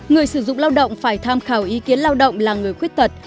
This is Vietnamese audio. người sử dụng lao động phải tham khảo ý kiến lao động là người khuyết tật